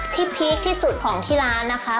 พีคที่สุดของที่ร้านนะคะ